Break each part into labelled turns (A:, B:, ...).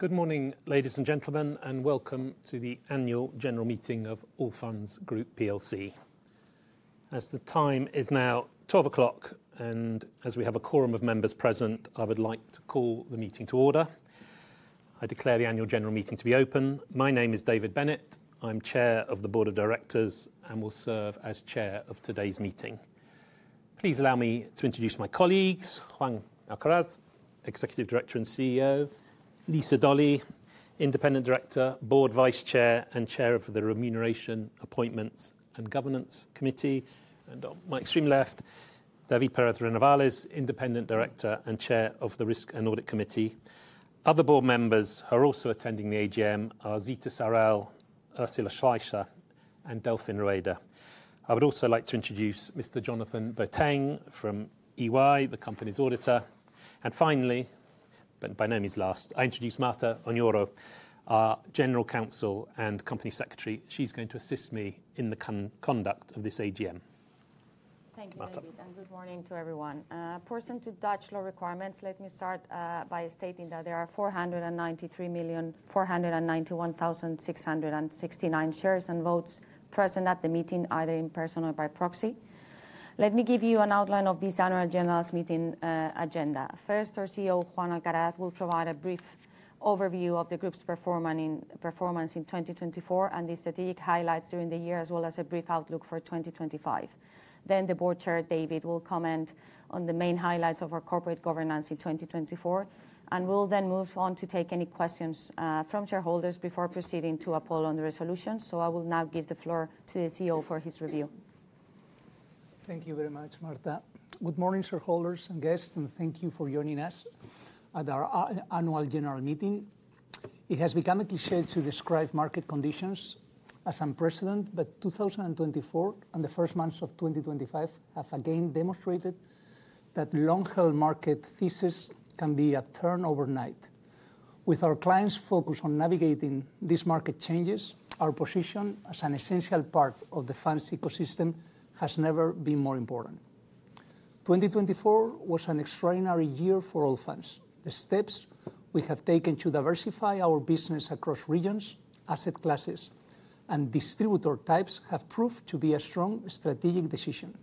A: Good morning, ladies and gentlemen, and welcome to the Annual General Meeting of Allfunds Group. As the time is now 12:00, and as we have a quorum of members present, I would like to call the meeting to order. I declare the Annual General Meeting to be open. My name is David Bennett. I'm Chair of the Board of Directors and will serve as Chair of today's meeting. Please allow me to introduce my colleagues: Juan Alcaraz, Executive Director and CEO; Lisa Dolly, Independent Director, Board Vice Chair, and Chair of the Remuneration, Appointments, and Governance Committee. On my extreme left, David Perez-Renavales, Independent Director and Chair of the Risk and Audit Committee. Other Board Members who are also attending the AGM are Zita Sarel, Ursula Schleicher, and Delphine Rueda. I would also like to introduce Mr. Jonathan Bertaing from Ernst & Young, the company's auditor. Finally, but by no means last, I introduce Marta Oñoro, our General Counsel and Company Secretary. She's going to assist me in the conduct of this AGM.
B: Thank you, David, and good morning to everyone. Pursuant to Dutch law requirements, let me start by stating that there are 493,491,669 shares and votes present at the meeting, either in person or by proxy. Let me give you an outline of this Annual General Meeting agenda. First, our CEO, Juan Alcaraz, will provide a brief overview of the group's performance in 2024 and the strategic highlights during the year, as well as a brief outlook for 2025. The Board Chair, David, will comment on the main highlights of our corporate governance in 2024, and we will then move on to take any questions from shareholders before proceeding to a poll on the resolution. I will now give the floor to the CEO for his review.
C: Thank you very much, Marta. Good morning, shareholders and guests, and thank you for joining us at our Annual General Meeting. It has become a cliché to describe market conditions as unprecedented, but 2024 and the first months of 2025 have again demonstrated that long-held market thesis can be a turn overnight. With our clients' focus on navigating these market changes, our position as an essential part of the funds ecosystem has never been more important. 2024 was an extraordinary year for Allfunds. The steps we have taken to diversify our business across regions, asset classes, and distributor types have proved to be a strong strategic decision.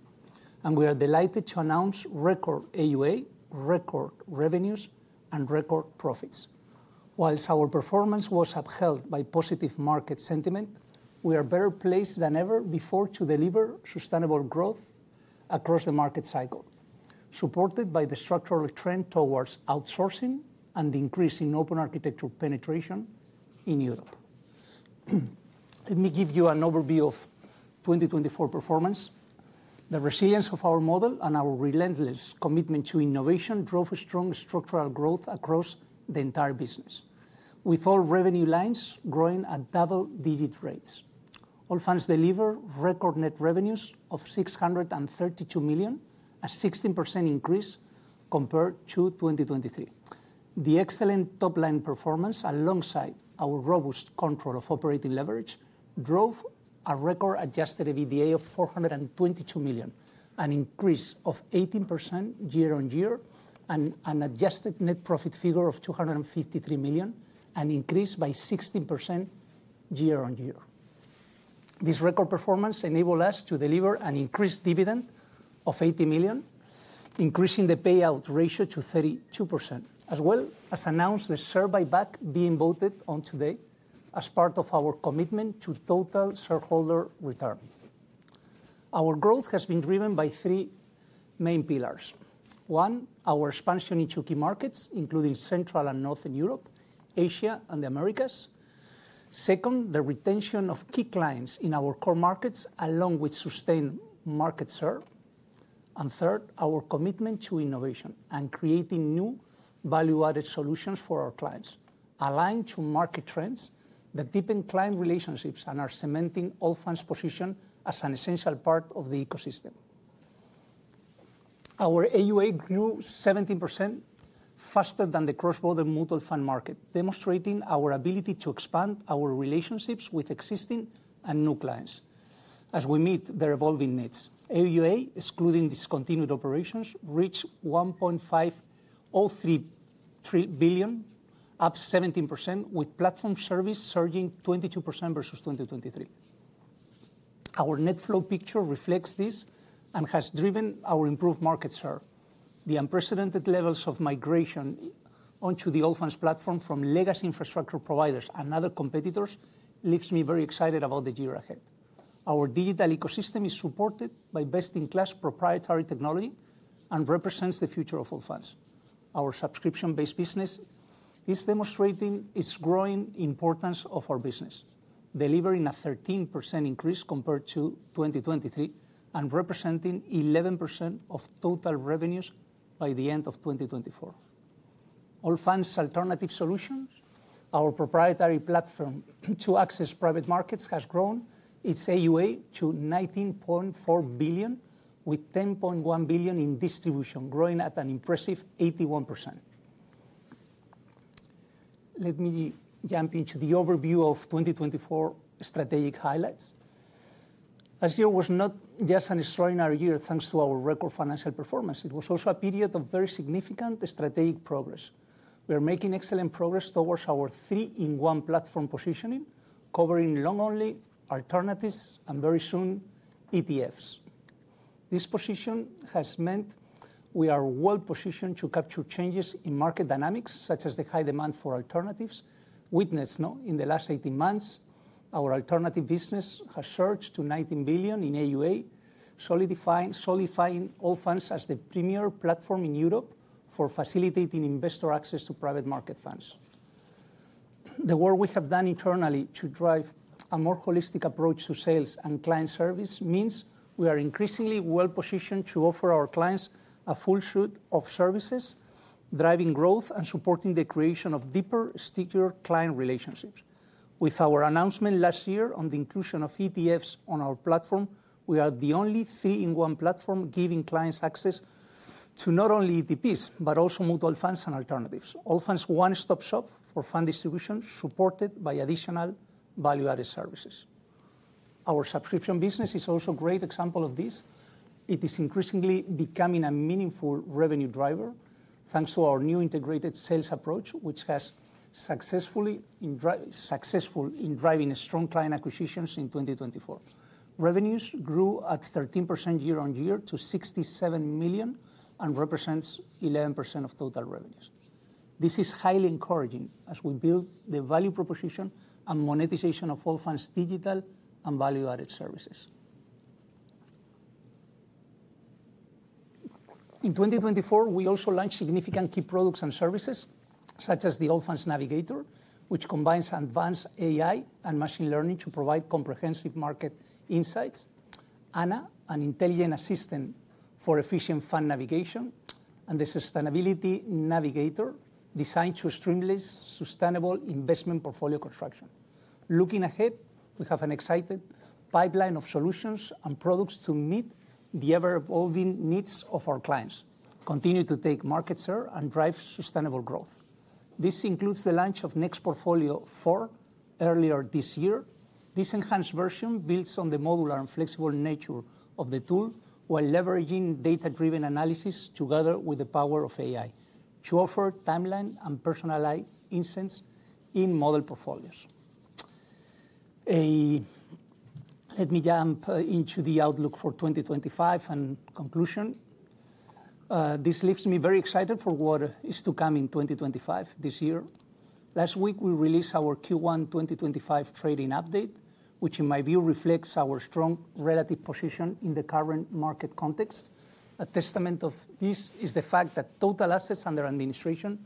C: We are delighted to announce record AUA, record revenues, and record profits. Whilst our performance was upheld by positive market sentiment, we are better placed than ever before to deliver sustainable growth across the market cycle, supported by the structural trend towards outsourcing and the increase in open architecture penetration in Europe. Let me give you an overview of 2024 performance. The resilience of our model and our relentless commitment to innovation drove strong structural growth across the entire business, with all revenue lines growing at double-digit rates. Allfunds delivered record net revenues of 632 million, a 16% increase compared to 2023. The excellent top-line performance, alongside our robust control of operating leverage, drove a record adjusted EBITDA of 422 million, an increase of 18% year-on-year, and an adjusted net profit figure of 253 million, an increase by 16% year-on-year. This record performance enabled us to deliver an increased dividend of 80 million, increasing the payout ratio to 32%, as well as announced the share buyback being voted on today as part of our commitment to total shareholder return. Our growth has been driven by three main pillars. One, our expansion into key markets, including Central and Northern Europe, Asia, and the Americas. Second, the retention of key clients in our core markets, along with sustained market share. Third, our commitment to innovation and creating new value-added solutions for our clients, aligned to market trends that deepen client relationships and are cementing Allfunds' position as an essential part of the ecosystem. Our AUA grew 17% faster than the cross-border mutual fund market, demonstrating our ability to expand our relationships with existing and new clients as we meet their evolving needs. AUA, excluding discontinued operations, reached 1.503 trillion, up 17%, with platform service surging 22% versus 2023. Our net flow picture reflects this and has driven our improved market share. The unprecedented levels of migration onto the Allfunds platform from legacy infrastructure providers and other competitors leaves me very excited about the year ahead. Our digital ecosystem is supported by best-in-class proprietary technology and represents the future of Allfunds. Our subscription-based business is demonstrating its growing importance of our business, delivering a 13% increase compared to 2023 and representing 11% of total revenues by the end of 2024. Allfunds' Alternative Solutions, our proprietary platform to access private markets, has grown its AUA to 19.4 billion, with 10.1 billion in distribution, growing at an impressive 81%. Let me jump into the overview of 2024 strategic highlights. Last year was not just an extraordinary year thanks to our record financial performance. It was also a period of very significant strategic progress. We are making excellent progress towards our three-in-one platform positioning, covering long-only alternatives and very soon ETFs. This position has meant we are well positioned to capture changes in market dynamics, such as the high demand for alternatives witnessed in the last 18 months. Our alternative business has surged to 19 billion in AUA, solidifying Allfunds as the premier platform in Europe for facilitating investor access to private market funds. The work we have done internally to drive a more holistic approach to sales and client service means we are increasingly well positioned to offer our clients a full suite of services, driving growth and supporting the creation of deeper, stickier client relationships. With our announcement last year on the inclusion of ETFs on our platform, we are the only three-in-one platform giving clients access to not only ETPs, but also mutual funds and alternatives. Allfunds' one-stop shop for fund distribution, supported by additional value-added services. Our subscription business is also a great example of this. It is increasingly becoming a meaningful revenue driver thanks to our new integrated sales approach, which has successfully in driving strong client acquisitions in 2024. Revenues grew at 13% year-on-year to 67 million and represents 11% of total revenues. This is highly encouraging as we build the value proposition and monetization of Allfunds' digital and value-added services. In 2024, we also launched significant key products and services, such as the Allfunds Navigator, which combines advanced AI and machine learning to provide comprehensive market insights, and an intelligent assistant for efficient fund navigation, and the Sustainability Navigator, designed to streamline sustainable investment portfolio construction. Looking ahead, we have an exciting pipeline of solutions and products to meet the ever-evolving needs of our clients, continue to take market share, and drive sustainable growth. This includes the launch of Next Portfolio 4 earlier this year. This enhanced version builds on the modular and flexible nature of the tool while leveraging data-driven analysis together with the power of AI to offer timeline and personalized insights in model portfolios. Let me jump into the outlook for 2025 and conclusion. This leaves me very excited for what is to come in 2025 this year. Last week, we released our Q1 2025 trading update, which, in my view, reflects our strong relative position in the current market context. A testament to this is the fact that total assets under administration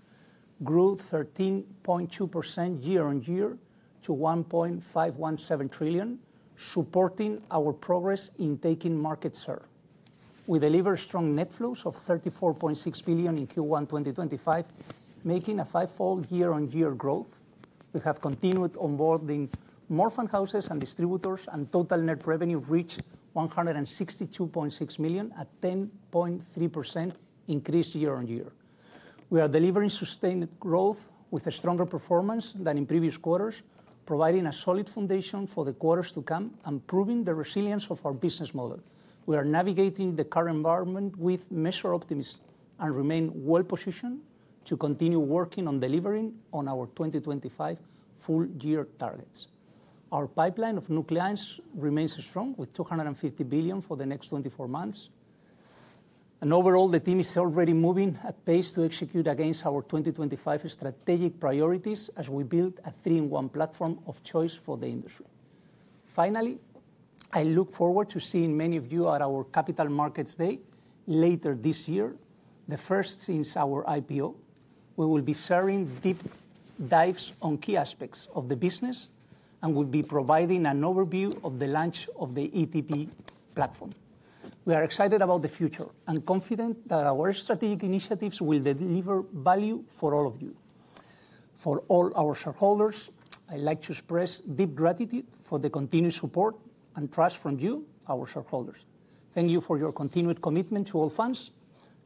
C: grew 13.2% year-on-year to 1.517 trillion, supporting our progress in taking market share. We delivered strong net flows of 34.6 billion in Q1 2025, making a fivefold year-on-year growth. We have continued onboarding more fund houses and distributors, and total net revenue reached 162.6 million, a 10.3% increase year-on-year. We are delivering sustained growth with stronger performance than in previous quarters, providing a solid foundation for the quarters to come and proving the resilience of our business model. We are navigating the current environment with measured optimism and remain well positioned to continue working on delivering on our 2025 full-year targets. Our pipeline of new clients remains strong, with 250 billion for the next 24 months. Overall, the team is already moving at pace to execute against our 2025 strategic priorities as we build a three-in-one platform of choice for the industry. Finally, I look forward to seeing many of you at our Capital Markets Day later this year, the first since our IPO. We will be sharing deep dives on key aspects of the business and will be providing an overview of the launch of the ETP platform. We are excited about the future and confident that our strategic initiatives will deliver value for all of you. For all our shareholders, I'd like to express deep gratitude for the continued support and trust from you, our shareholders. Thank you for your continued commitment to Allfunds,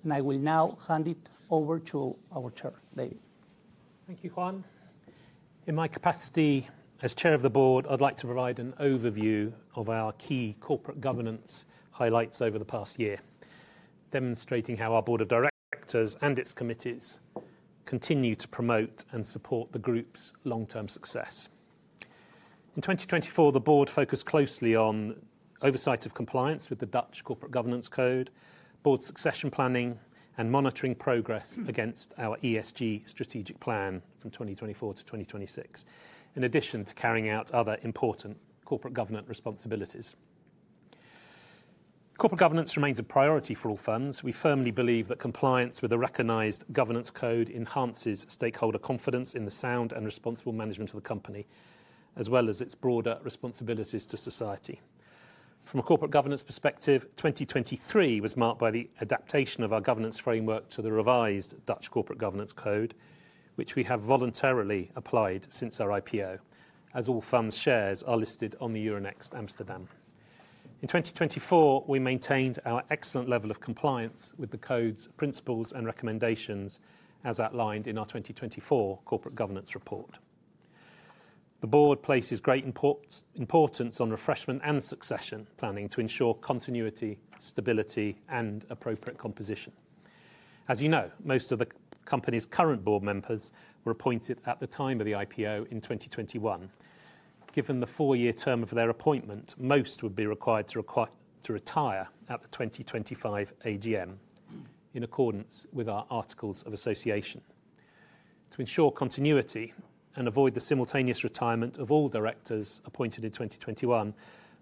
C: and I will now hand it over to our Chair, David.
A: Thank you, Juan. In my capacity as Chair of the Board, I'd like to provide an overview of our key corporate governance highlights over the past year, demonstrating how our Board of Directors and its committees continue to promote and support the group's long-term success. In 2024, the Board focused closely on oversight of compliance with the Dutch Corporate Governance Code, board succession planning, and monitoring progress against our ESG strategic plan from 2024 to 2026, in addition to carrying out other important corporate governance responsibilities. Corporate governance remains a priority for Allfunds. We firmly believe that compliance with a recognized governance code enhances stakeholder confidence in the sound and responsible management of the company, as well as its broader responsibilities to society. From a corporate governance perspective, 2023 was marked by the adaptation of our governance framework to the revised Dutch Corporate Governance Code, which we have voluntarily applied since our IPO, as Allfunds' shares are listed on the Euronext Amsterdam. In 2024, we maintained our excellent level of compliance with the code's principles and recommendations as outlined in our 2024 Corporate Governance Report. The Board places great importance on refreshment and succession planning to ensure continuity, stability, and appropriate composition. As you know, most of the company's current Board Members were appointed at the time of the IPO in 2021. Given the four-year term of their appointment, most would be required to retire at the 2025 AGM, in accordance with our Articles of Association. To ensure continuity and avoid the simultaneous retirement of all directors appointed in 2021,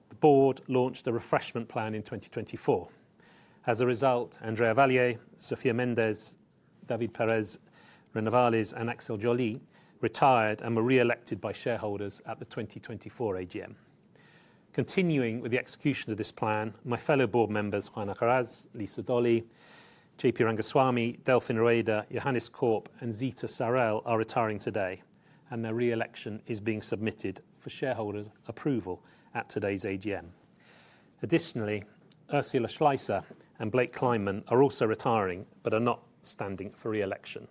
A: the Board launched a refreshment plan in 2024. As a result, Andrea Valier, Sofia Mendez, David Perez-Renavales, René Valls, and Axel Joly retired and were re-elected by shareholders at the 2024 AGM. Continuing with the execution of this plan, my fellow Board Members Juan Alcaraz, Lisa Dolly, J.P. Rangaswamy, Delphine Rueda, Johannes Korp, and Zita Sarel are retiring today, and their re-election is being submitted for shareholders' approval at today's AGM. Additionally, Ursula Schleicher and Blake Kleinman are also retiring but are not standing for re-election.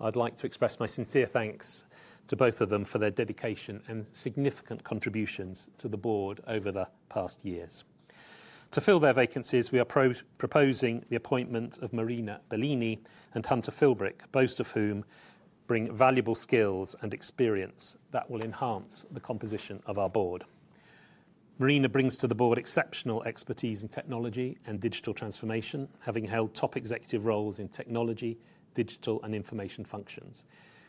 A: I'd like to express my sincere thanks to both of them for their dedication and significant contributions to the Board over the past years. To fill their vacancies, we are proposing the appointment of Marina Bellini and Hunter Philbrick, both of whom bring valuable skills and experience that will enhance the composition of our Board. Marina brings to the Board exceptional expertise in technology and digital transformation, having held top executive roles in technology, digital, and information functions.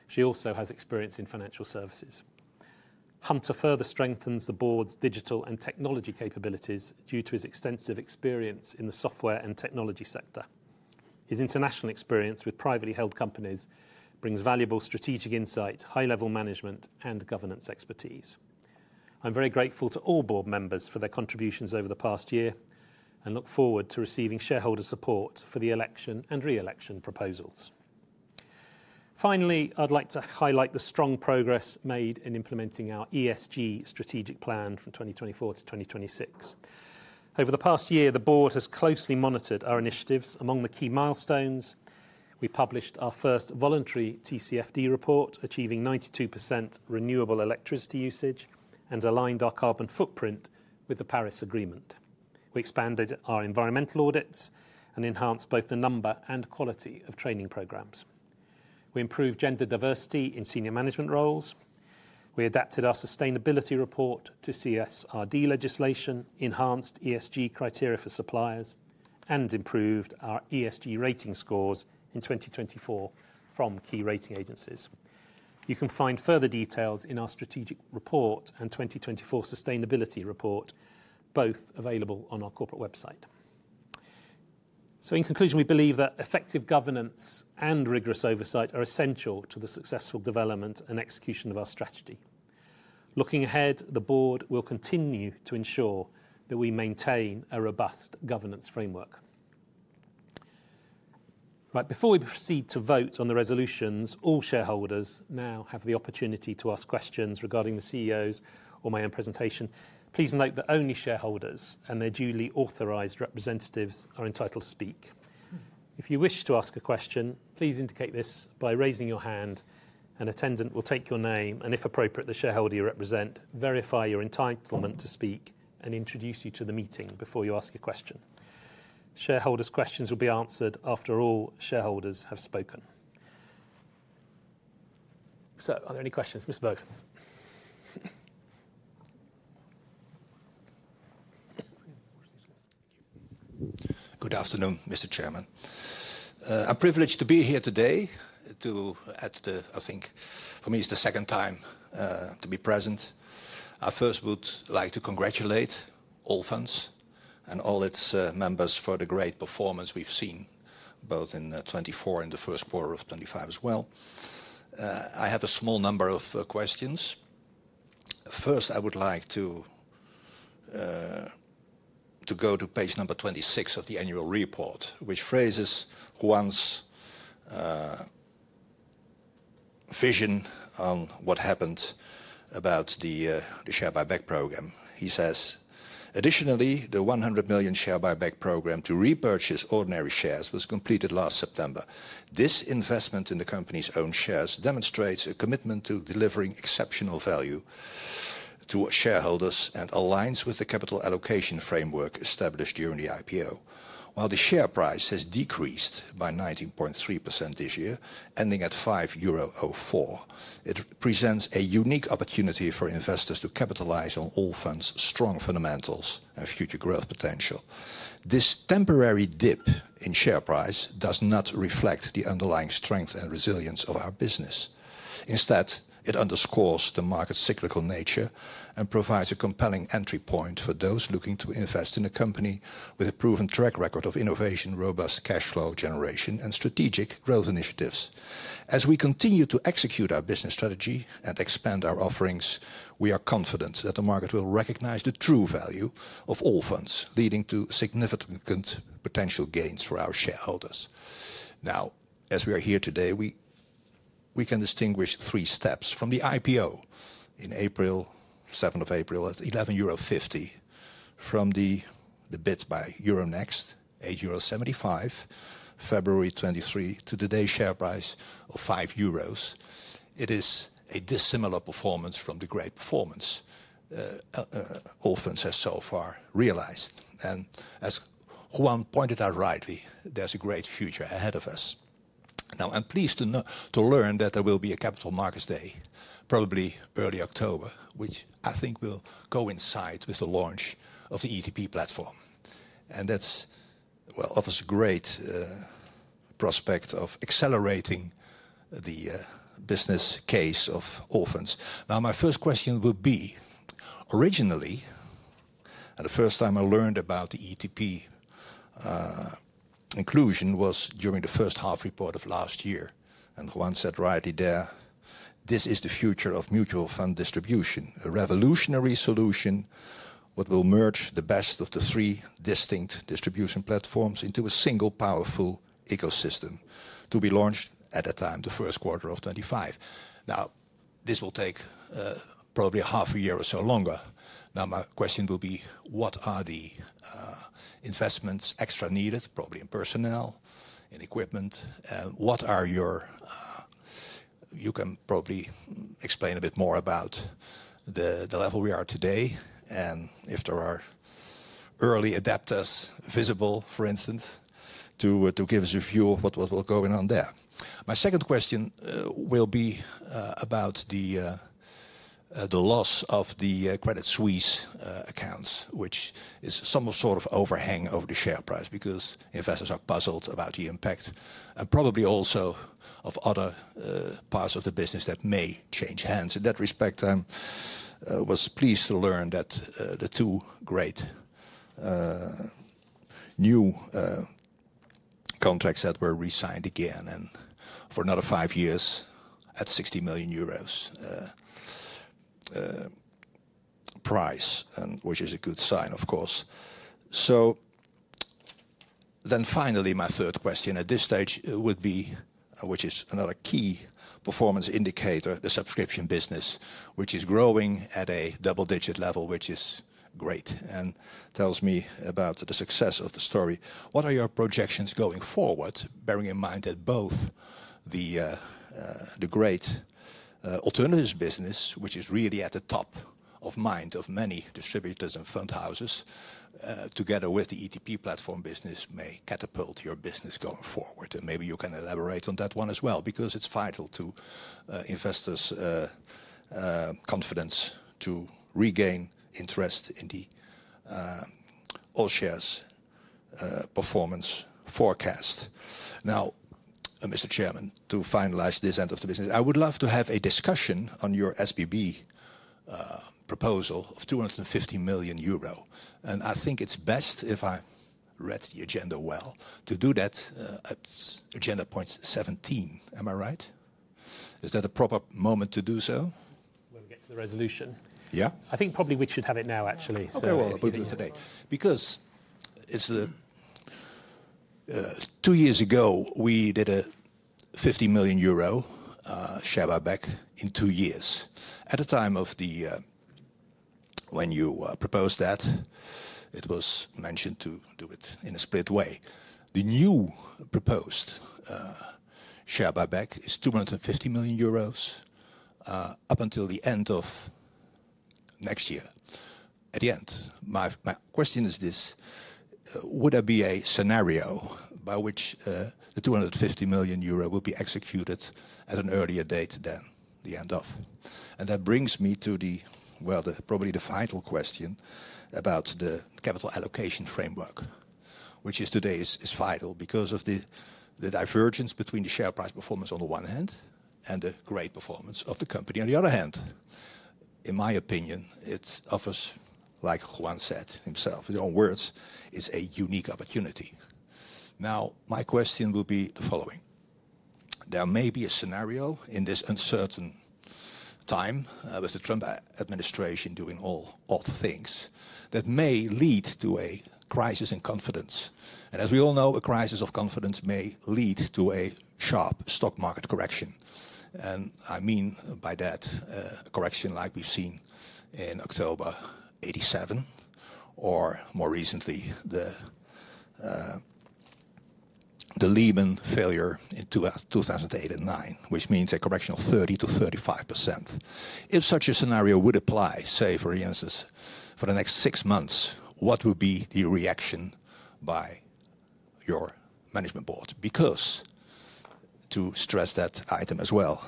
A: She also has experience in financial services. Hunter further strengthens the Board's digital and technology capabilities due to his extensive experience in the software and technology sector. His international experience with privately held companies brings valuable strategic insight, high-level management, and governance expertise. I'm very grateful to all Board Members for their contributions over the past year and look forward to receiving shareholder support for the election and re-election proposals. Finally, I'd like to highlight the strong progress made in implementing our ESG strategic plan from 2024 to 2026. Over the past year, the Board has closely monitored our initiatives. Among the key milestones, we published our first voluntary TCFD report, achieving 92% renewable electricity usage and aligned our carbon footprint with the Paris Agreement. We expanded our environmental audits and enhanced both the number and quality of training programs. We improved gender diversity in senior management roles. We adapted our sustainability report to CSRD legislation, enhanced ESG criteria for suppliers, and improved our ESG rating scores in 2024 from key rating agencies. You can find further details in our strategic report and 2024 sustainability report, both available on our corporate website. In conclusion, we believe that effective governance and rigorous oversight are essential to the successful development and execution of our strategy. Looking ahead, the Board will continue to ensure that we maintain a robust governance framework. Right before we proceed to vote on the resolutions, all shareholders now have the opportunity to ask questions regarding the CEOs or my own presentation. Please note that only shareholders and their duly authorized representatives are entitled to speak. If you wish to ask a question, please indicate this by raising your hand, and an attendant will take your name and, if appropriate, the shareholder you represent, verify your entitlement to speak, and introduce you to the meeting before you ask a question. Shareholders' questions will be answered after all shareholders have spoken. Are there any questions? Mr. Burgess.
D: Good afternoon, Mr. Chairman. I'm privileged to be here today to, at the, I think, for me, it's the second time to be present. I first would like to congratulate Allfunds and all its members for the great performance we've seen, both in 2024 and the first quarter of 2025 as well. I have a small number of questions. First, I would like to go to page number 26 of the annual report, which phrases Juan's vision on what happened about the share buyback program. He says, "Additionally, the 100 million share buyback program to repurchase ordinary shares was completed last September. This investment in the company's own shares demonstrates a commitment to delivering exceptional value to shareholders and aligns with the capital allocation framework established during the IPO. While the share price has decreased by 19.3% this year, ending at 5.04 euro, it presents a unique opportunity for investors to capitalize on Allfunds' strong fundamentals and future growth potential. This temporary dip in share price does not reflect the underlying strength and resilience of our business. Instead, it underscores the market's cyclical nature and provides a compelling entry point for those looking to invest in a company with a proven track record of innovation, robust cash flow generation, and strategic growth initiatives. As we continue to execute our business strategy and expand our offerings, we are confident that the market will recognize the true value of Allfunds, leading to significant potential gains for our shareholders. Now, as we are here today, we can distinguish three steps from the IPO in April, 7th of April, at 11.50 euro, from the bid by Euronext, 8.75 euro, February 2023, to today's share price of 5 euros. It is a dissimilar performance from the great performance Allfunds has so far realized. As Juan pointed out rightly, there is a great future ahead of us. Now, I'm pleased to learn that there will be a Capital Markets Day, probably early October, which I think will coincide with the launch of the ETP platform. That offers a great prospect of accelerating the business case of Allfunds. Now, my first question would be, originally, the first time I learned about the ETP inclusion was during the first half report of last year. Juan said rightly there, "This is the future of mutual fund distribution, a revolutionary solution that will merge the best of the three distinct distribution platforms into a single powerful ecosystem to be launched at a time, the first quarter of 2025." This will take probably half a year or so longer. My question will be, what are the investments extra needed, probably in personnel, in equipment? What are your, you can probably explain a bit more about the level we are today and if there are early adapters visible, for instance, to give us a view of what will go on there. My second question will be about the loss of the Credit Suisse accounts, which is some sort of overhang over the share price because investors are puzzled about the impact and probably also of other parts of the business that may change hands. In that respect, I was pleased to learn that the two great new contracts that were re-signed again and for another five years at 60 million euros price, which is a good sign, of course. Finally, my third question at this stage would be, which is another key performance indicator, the subscription business, which is growing at a double-digit level, which is great and tells me about the success of the story. What are your projections going forward, bearing in mind that both the great alternatives business, which is really at the top of mind of many distributors and fund houses, together with the ETP platform business, may catapult your business going forward? Maybe you can elaborate on that one as well because it is vital to investors' confidence to regain interest in the all shares performance forecast. Now, Mr. Chairman, to finalize this end of the business, I would love to have a discussion on your SBB proposal of 250 million euro. I think it is best, if I read the agenda well, to do that at agenda point 17. Am I right? Is that a proper moment to do so?
A: When we get to the resolution.
D: Yeah.
A: I think probably we should have it now, actually.
D: Okay, we'll do it today. Because two years ago, we did a 50 million euro share buyback in two years. At the time of the, when you proposed that, it was mentioned to do it in a split way. The new proposed share buyback is 250 million euros up until the end of next year. At the end, my question is this: would there be a scenario by which the 250 million euro will be executed at an earlier date than the end of? That brings me to the, probably the vital question about the capital allocation framework, which today is vital because of the divergence between the share price performance on the one hand and the great performance of the company on the other hand. In my opinion, it offers, like Juan said himself, in his own words, it's a unique opportunity. Now, my question will be the following: there may be a scenario in this uncertain time with the Trump administration doing all things that may lead to a crisis in confidence. As we all know, a crisis of confidence may lead to a sharp stock market correction. I mean by that a correction like we've seen in October 1987 or more recently the Lehman failure in 2008 and 2009, which means a correction of 30%-35%. If such a scenario would apply, say, for instance, for the next six months, what would be the reaction by your Management Board? To stress that item as well,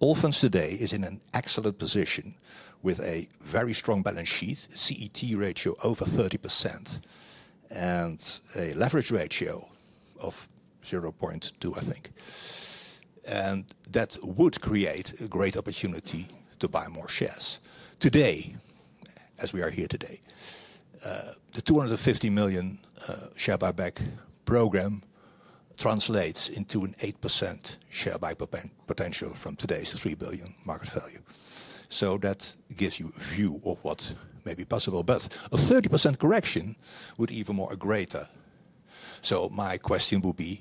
D: Allfunds today is in an excellent position with a very strong balance sheet, CET ratio over 30%, and a leverage ratio of 0.2, I think. That would create a great opportunity to buy more shares. Today, as we are here today, the 250 million share buyback program translates into an 8% share buyback potential from today's 3 billion market value. That gives you a view of what may be possible. A 30% correction would even more agree to. My question will be,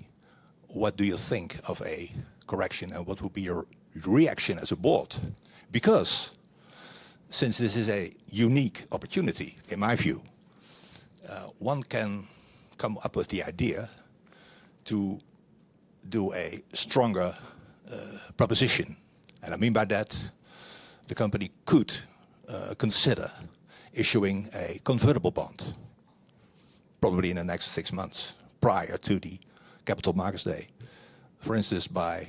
D: what do you think of a correction and what would be your reaction as a Board? Since this is a unique opportunity, in my view, one can come up with the idea to do a stronger proposition. I mean by that, the company could consider issuing a convertible bond, probably in the next six months prior to the Capital Markets Day, for instance, by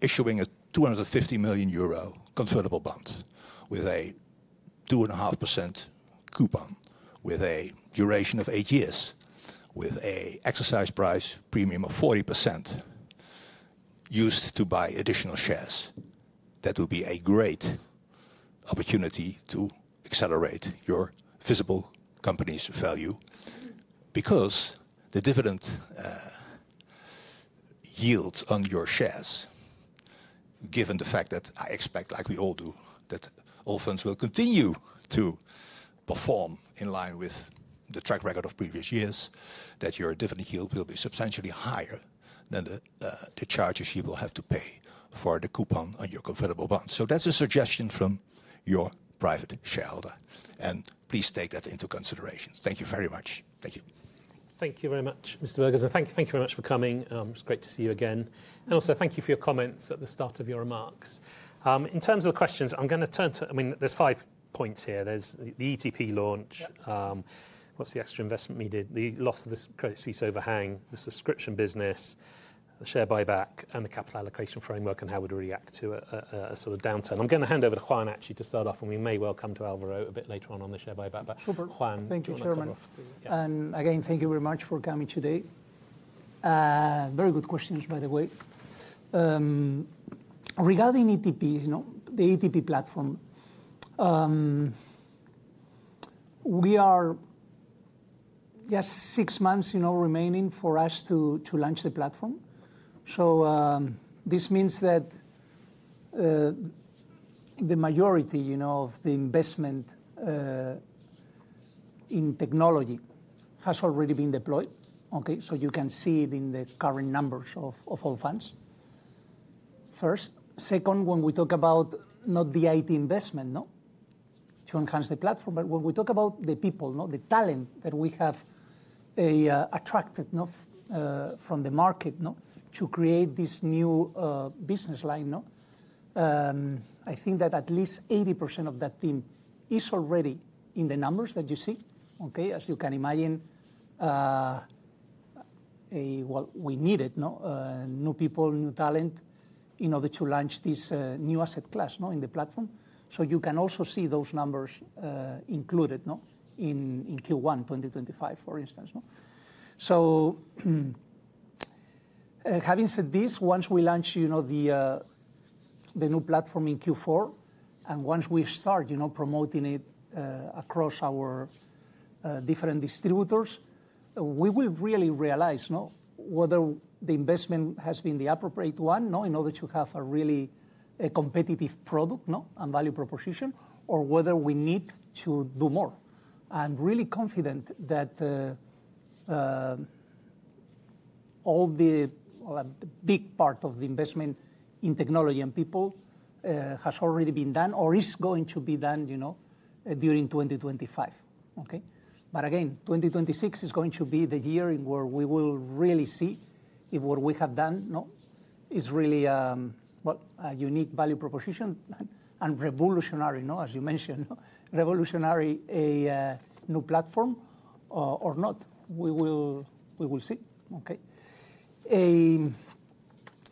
D: issuing a 250 million euro convertible bond with a 2.5% coupon, with a duration of eight years, with an exercise price premium of 40% used to buy additional shares. That would be a great opportunity to accelerate your physical company's value because the dividend yields on your shares, given the fact that I expect, like we all do, that Allfunds will continue to perform in line with the track record of previous years, that your dividend yield will be substantially higher than the charges you will have to pay for the coupon on your convertible bond. That is a suggestion from your private shareholder. Please take that into consideration. Thank you very much. Thank you.
A: Thank you very much, Mr. Burgess. Thank you very much for coming. It's great to see you again. Also, thank you for your comments at the start of your remarks. In terms of the questions, I'm going to turn to, I mean, there's five points here. There's the ETP launch. What's the extra investment needed? The loss of this Credit Suisse overhang, the subscription business, the share buyback, and the capital allocation framework and how we'd react to a sort of downturn. I'm going to hand over to Juan, actually, to start off, and we may well come to Álvaro a bit later on on the share buyback. But Juan.
C: Thank you, Chairman. Thank you very much for coming today. Very good questions, by the way. Regarding ETP, the ETP platform, we are just six months remaining for us to launch the platform. This means that the majority of the investment in technology has already been deployed. You can see it in the current numbers of Allfunds. First, second, when we talk about not the IT investment to enhance the platform, but when we talk about the people, the talent that we have attracted from the market to create this new business line, I think that at least 80% of that team is already in the numbers that you see. As you can imagine, we needed new people, new talent in order to launch this new asset class in the platform. You can also see those numbers included in Q1 2025, for instance. Having said this, once we launch the new platform in Q4 and once we start promoting it across our different distributors, we will really realize whether the investment has been the appropriate one in order to have a really competitive product and value proposition, or whether we need to do more. I'm really confident that all the big part of the investment in technology and people has already been done or is going to be done during 2025. Okay? Again, 2026 is going to be the year where we will really see if what we have done is really a unique value proposition and revolutionary, as you mentioned, revolutionary new platform or not. We will see. Okay?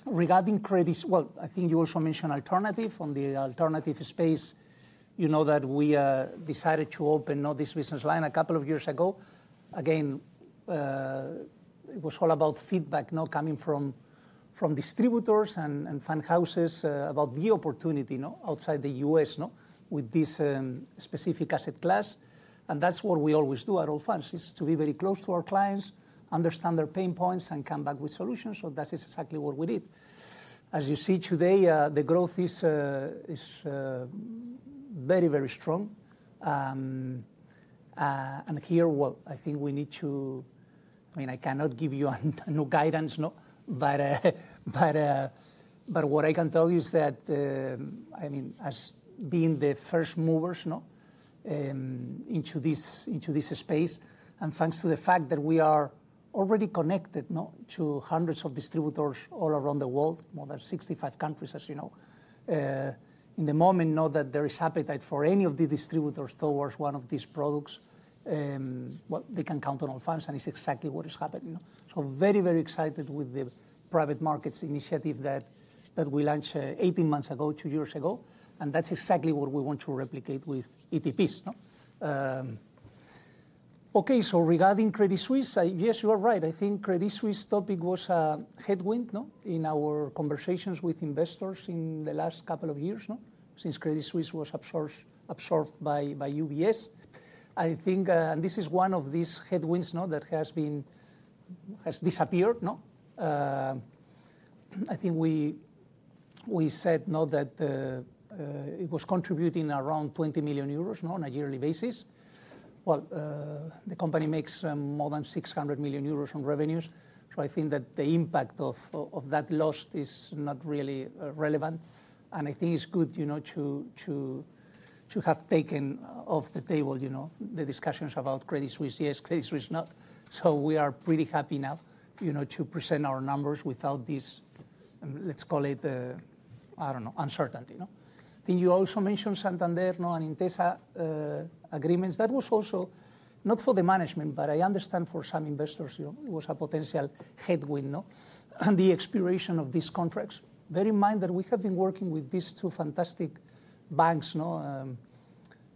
C: Regarding Credit Suisse, I think you also mentioned alternative. On the alternative space, you know that we decided to open this business line a couple of years ago. Again, it was all about feedback coming from distributors and fund houses about the opportunity outside the U.S. with this specific asset class. That is what we always do at Allfunds, is to be very close to our clients, understand their pain points, and come back with solutions. That is exactly what we did. As you see today, the growth is very, very strong. I think we need to, I mean, I cannot give you new guidance, but what I can tell you is that, I mean, as being the first movers into this space, and thanks to the fact that we are already connected to hundreds of distributors all around the world, more than 65 countries, as you know, in the moment that there is appetite for any of the distributors towards one of these products, they can count on Allfunds, and it is exactly what is happening. Very, very excited with the private markets initiative that we launched 18 months ago, two years ago, and that is exactly what we want to replicate with ETPs. Okay, regarding Credit Suisse, yes, you are right. I think Credit Suisse topic was a headwind in our conversations with investors in the last couple of years since Credit Suisse was absorbed by UBS. I think, and this is one of these headwinds that has disappeared. I think we said that it was contributing around 20 million euros on a yearly basis. The company makes more than 600 million euros in revenues. I think that the impact of that loss is not really relevant. I think it's good to have taken off the table the discussions about Credit Suisse, yes, Credit Suisse not. We are pretty happy now to present our numbers without this, let's call it, I don't know, uncertainty. I think you also mentioned Santander and Intesa agreements. That was also not for the management, but I understand for some investors, it was a potential headwind, the expiration of these contracts. Bear in mind that we have been working with these two fantastic banks, in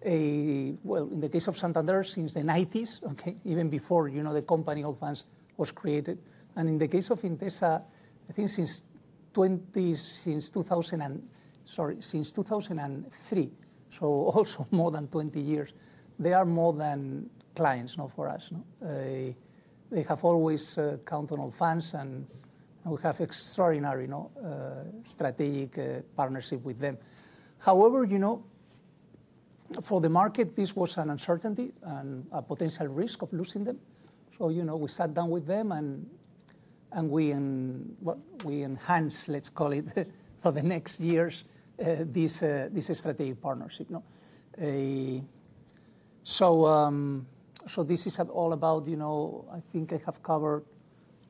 C: the case of Santander since the 1990s, even before the company Allfunds was created. In the case of Intesa, I think since 2003, so also more than 20 years, they are more than clients for us. They have always counted on Allfunds, and we have extraordinary strategic partnership with them. However, for the market, this was an uncertainty and a potential risk of losing them. We sat down with them, and we enhanced, let's call it, for the next years this strategic partnership. This is all about, I think I have covered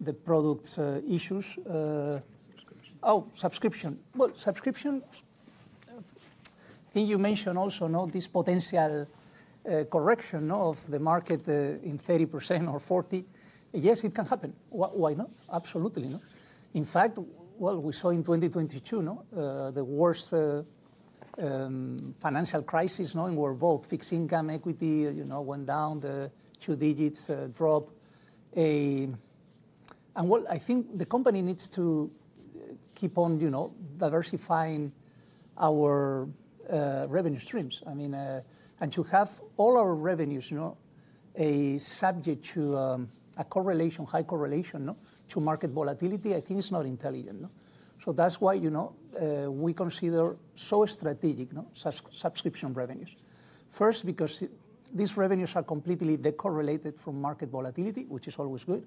C: the product issues. Oh, subscription. Subscription, I think you mentioned also this potential correction of the market in 30% or 40%. Yes, it can happen. Why not? Absolutely. In fact, we saw in 2022 the worst financial crisis in where both fixed income and equity went down, the two digits drop. I think the company needs to keep on diversifying our revenue streams. I mean, to have all our revenues subject to a correlation, high correlation to market volatility, I think it's not intelligent. That's why we consider so strategic subscription revenues. First, because these revenues are completely decorrelated from market volatility, which is always good.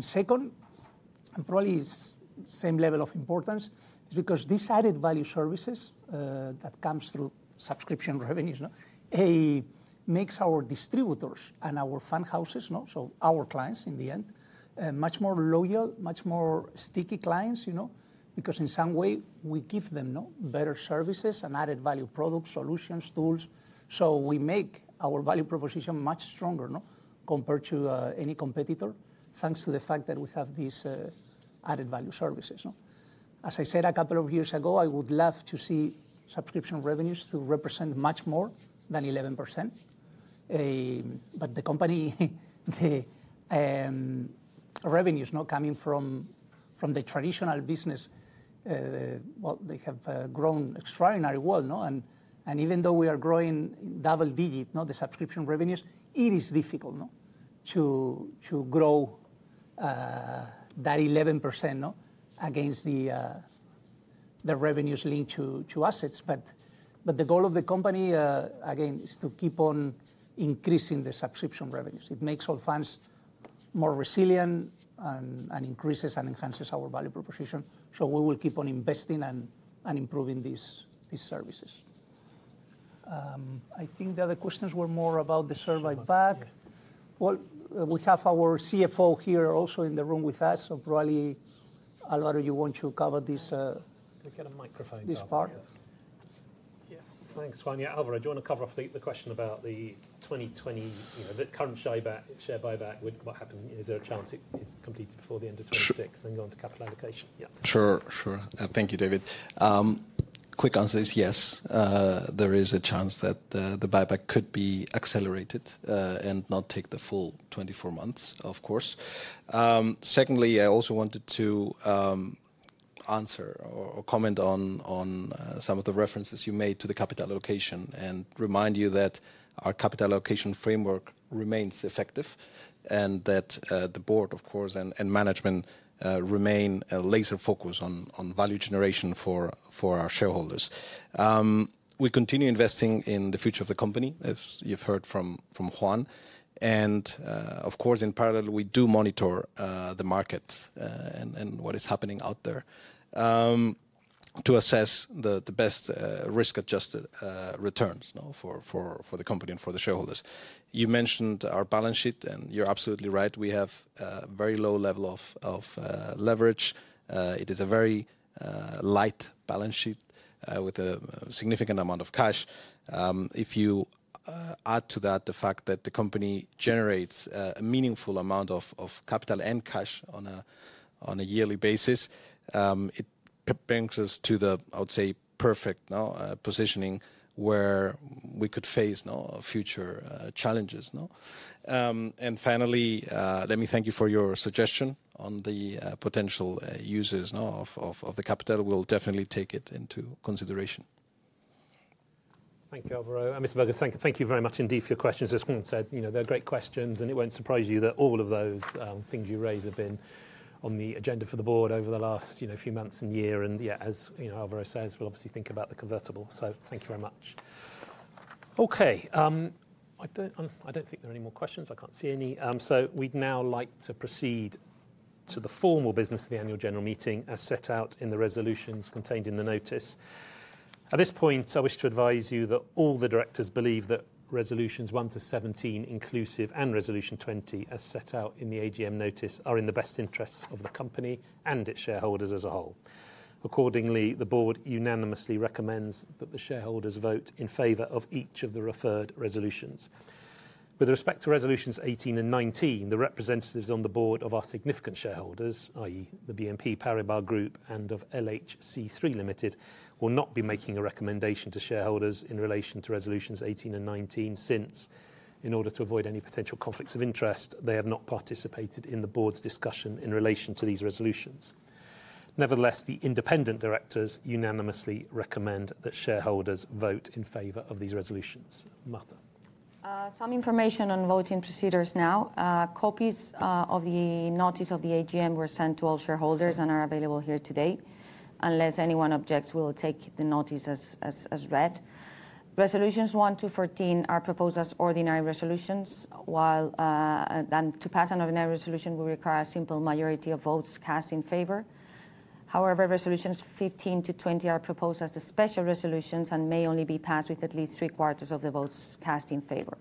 C: Second, and probably same level of importance, is because these added value services that come through subscription revenues make our distributors and our fund houses, so our clients in the end, much more loyal, much more sticky clients, because in some way we give them better services and added value products, solutions, tools. We make our value proposition much stronger compared to any competitor thanks to the fact that we have these added value services. As I said a couple of years ago, I would love to see subscription revenues represent much more than 11%. The company revenues coming from the traditional business have grown extraordinarily well. Even though we are growing double digit, the subscription revenues, it is difficult to grow that 11% against the revenues linked to assets. The goal of the company, again, is to keep on increasing the subscription revenues. It makes Allfunds more resilient and increases and enhances our value proposition. We will keep on investing and improving these services. I think the other questions were more about the survey back. We have our CFO here also in the room with us. Probably Álvaro, you want to cover this part?
A: We'll get a microphone down here. Yeah. Thanks, Juan. Yeah, Álvaro, do you want to cover off the question about the current share buyback with what happened? Is there a chance it's completed before the end of 2026 and going to capital allocation? Yeah.
E: Sure. Thank you, David. Quick answer is yes. There is a chance that the buyback could be accelerated and not take the full 24 months, of course. Secondly, I also wanted to answer or comment on some of the references you made to the capital allocation and remind you that our capital allocation framework remains effective and that the Board, of course, and management remain a laser focus on value generation for our shareholders. We continue investing in the future of the company, as you've heard from Juan. Of course, in parallel, we do monitor the markets and what is happening out there to assess the best risk-adjusted returns for the company and for the shareholders. You mentioned our balance sheet, and you're absolutely right. We have a very low level of leverage. It is a very light balance sheet with a significant amount of cash. If you add to that the fact that the company generates a meaningful amount of capital and cash on a yearly basis, it brings us to the, I would say, perfect positioning where we could face future challenges. Finally, let me thank you for your suggestion on the potential uses of the capital. We'll definitely take it into consideration.
A: Thank you, Álvaro. Mr. Burgess, thank you very much indeed for your questions. As Juan said, they're great questions, and it won't surprise you that all of those things you raised have been on the agenda for the Board over the last few months and year. Yeah, as Álvaro says, we'll obviously think about the convertible. Thank you very much. Okay. I don't think there are any more questions. I can't see any. We'd now like to proceed to the formal business of the Annual General Meeting as set out in the resolutions contained in the notice. At this point, I wish to advise you that all the directors believe that resolutions 1-17, inclusive, and resolution 20, as set out in the AGM notice, are in the best interests of the company and its shareholders as a whole. Accordingly, the Board unanimously recommends that the shareholders vote in favor of each of the referred resolutions. With respect to resolutions 18 and 19, the representatives on the Board of our significant shareholders, i.e., the BNP Paribas Group and of LHC3 Limited, will not be making a recommendation to shareholders in relation to resolutions 18 and 19 since, in order to avoid any potential conflicts of interest, they have not participated in the Board's discussion in relation to these resolutions. Nevertheless, the independent directors unanimously recommend that shareholders vote in favor of these resolutions. Marta.
B: Some information on voting procedures now. Copies of the notice of the AGM were sent to all shareholders and are available here today. Unless anyone objects, we'll take the notice as read. Resolutions 1 to 14 are proposed as ordinary resolutions, while to pass an ordinary resolution, we require a simple majority of votes cast in favor. However, resolutions 15 to 20 are proposed as special resolutions and may only be passed with at least three quarters of the votes cast in favor.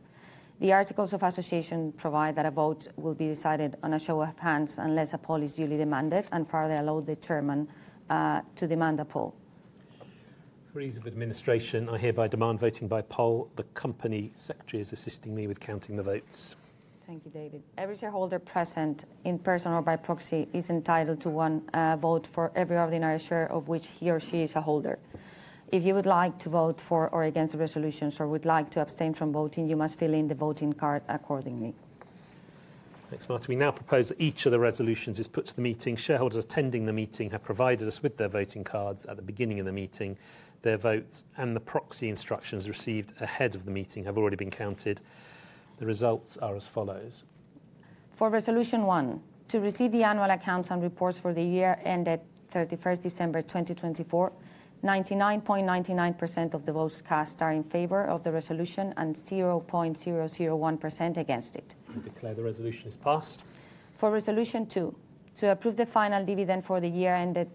B: The articles of association provide that a vote will be decided on a show of hands unless a poll is duly demanded and further allow the chairman to demand a poll.
A: Three's of administration. I hereby demand voting by poll. The Company Secretary is assisting me with counting the votes.
B: Thank you, David. Every shareholder present in person or by proxy is entitled to one vote for every ordinary share of which he or she is a holder. If you would like to vote for or against the resolutions or would like to abstain from voting, you must fill in the voting card accordingly.
A: Thanks, Marta. We now propose that each of the resolutions is put to the meeting. Shareholders attending the meeting have provided us with their voting cards at the beginning of the meeting. Their votes and the proxy instructions received ahead of the meeting have already been counted. The results are as follows.
B: For resolution one, to receive the annual accounts and reports for the year ended 31st December 2024, 99.99% of the votes cast are in favor of the resolution and 0.001% against it.
A: I declare the resolution is passed.
B: For resolution two, to approve the final dividend for the year ended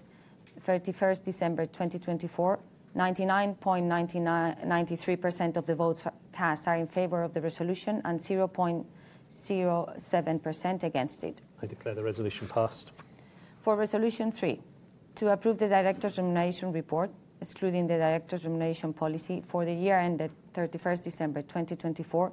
B: 31st December 2024, 99.93% of the votes cast are in favor of the resolution and 0.07% against it.
A: I declare the resolution passed.
B: For resolution three, to approve the directors' remuneration report, excluding the directors' remuneration policy for the year ended 31 December 2024,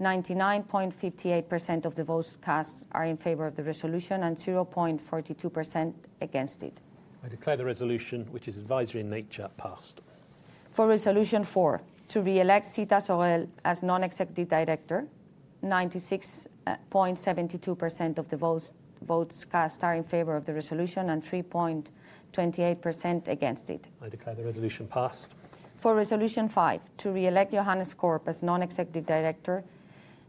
B: 99.58% of the votes cast are in favor of the resolution and 0.42% against it.
A: I declare the resolution, which is advisory in nature, passed.
B: For resolution four, to re-elect Zita Sarel as non-executive director, 96.72% of the votes cast are in favor of the resolution and 3.28% against it.
A: I declare the resolution passed.
B: For resolution five, to re-elect Johannes Korp as non-executive director,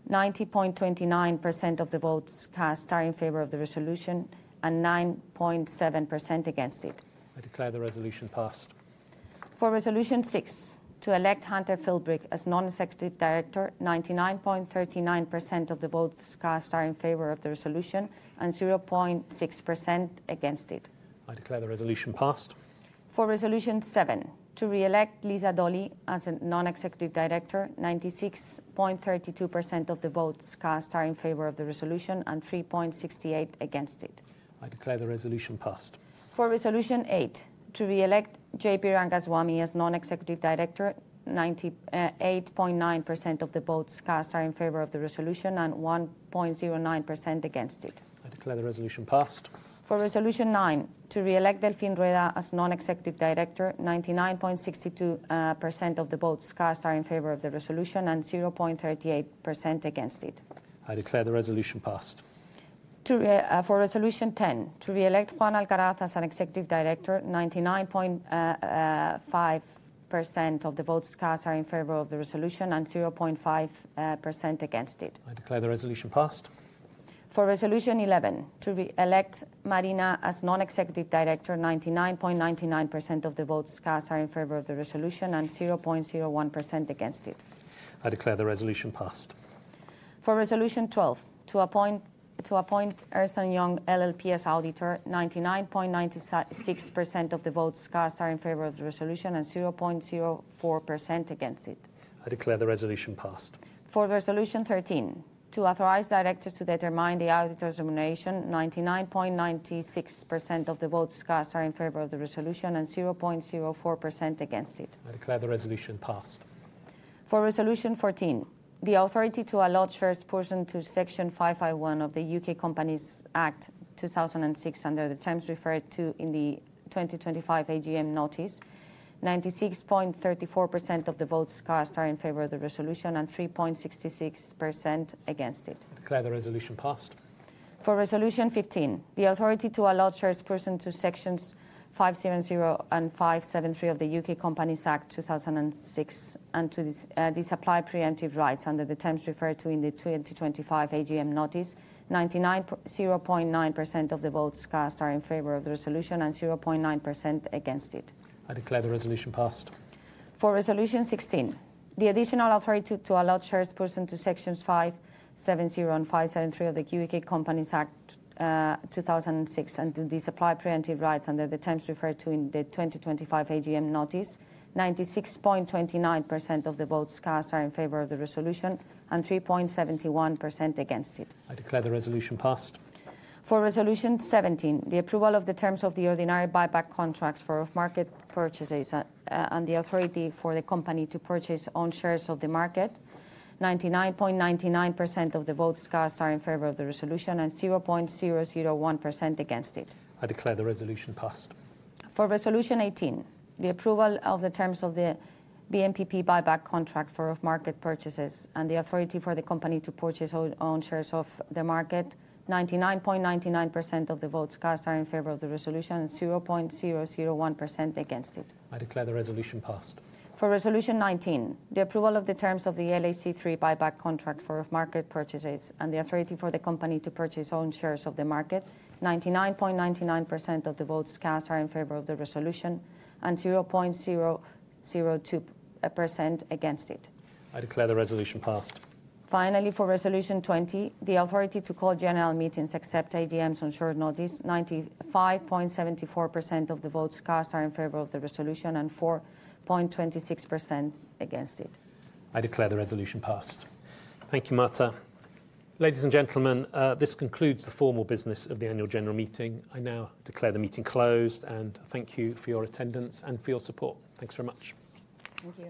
B: 90.29% of the votes cast are in favor of the resolution and 9.7% against it.
A: I declare the resolution passed.
B: For resolution six, to elect Hunter Philbrick as non-executive director, 99.39% of the votes cast are in favor of the resolution and 0.6% against it.
A: I declare the resolution passed.
B: For resolution seven, to re-elect Lisa Dolly as a non-executive director, 96.32% of the votes cast are in favor of the resolution and 3.68% against it.
A: I declare the resolution passed.
B: For resolution eight, to re-elect J.P. Rangaswamy as non-executive director, 98.9% of the votes cast are in favor of the resolution and 1.09% against it.
A: I declare the resolution passed.
B: For resolution nine, to re-elect Delphine Rueda as non-executive director, 99.62% of the votes cast are in favor of the resolution and 0.38% against it.
A: I declare the resolution passed.
B: For resolution ten, to re-elect Juan Alcaraz as an Executive Director, 99.5% of the votes cast are in favor of the resolution and 0.5% against it.
A: I declare the resolution passed.
B: For resolution eleven, to re-elect Marina as non-executive director, 99.99% of the votes cast are in favor of the resolution and 0.01% against it.
A: I declare the resolution passed.
B: For resolution twelve, to appoint Ernst & Young LLP as auditor, 99.96% of the votes cast are in favor of the resolution and 0.04% against it.
A: I declare the resolution passed.
B: For resolution thirteen, to authorize directors to determine the auditor's remuneration, 99.96% of the votes cast are in favor of the resolution and 0.04% against it.
A: I declare the resolution passed.
B: For resolution fourteen, the authority to allot shares pursuant to Section 551 of the U.K. Companies Act 2006 under the terms referred to in the 2025 AGM notice, 96.34% of the votes cast are in favor of the resolution and 3.66% against it.
A: I declare the resolution passed.
B: For resolution fifteen, the authority to allot shares pursuant to Sections 570 and 573 of the U.K. Companies Act 2006 and to disapply preemptive rights under the terms referred to in the 2025 AGM notice, 99.09% of the votes cast are in favor of the resolution and 0.9% against it.
A: I declare the resolution passed.
B: For resolution sixteen, the additional authority to allot shares pursuant to Sections 570 and 573 of the U.K. Companies Act 2006 and to disapply preemptive rights under the terms referred to in the 2025 AGM notice, 96.29% of the votes cast are in favor of the resolution and 3.71% against it.
A: I declare the resolution passed.
B: For resolution seventeen, the approval of the terms of the ordinary buyback contracts for off-market purchases and the authority for the company to purchase own shares off the market, 99.99% of the votes cast are in favor of the resolution and 0.001% against it.
A: I declare the resolution passed.
B: For resolution eighteen, the approval of the terms of the BNP Paribas buyback contract for off-market purchases and the authority for the company to purchase own shares off the market, 99.99% of the votes cast are in favor of the resolution and 0.001% against it.
A: I declare the resolution passed.
B: For resolution nineteen, the approval of the terms of the LHC3 buyback contract for off-market purchases and the authority for the company to purchase own shares off the market, 99.99% of the votes cast are in favor of the resolution and 0.002% against it.
A: I declare the resolution passed.
B: Finally, for resolution twenty, the authority to call general meetings except AGMs on short notice, 95.74% of the votes cast are in favor of the resolution and 4.26% against it.
A: I declare the resolution passed. Thank you, Marta. Ladies and gentlemen, this concludes the formal business of the Annual General Meeting. I now declare the meeting closed and thank you for your attendance and for your support. Thanks very much.
B: Thank you.